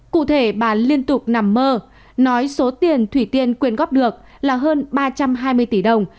cụ thể bà liên tục nằm mơ nói số tiền thủy tiên quyên góp được là hơn ba trăm hai mươi tỷ đồng